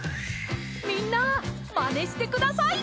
みんなまねしてください。